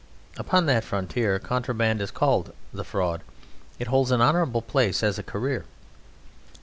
Upon that frontier contraband is called "The Fraud"; it holds an honourable place as a career.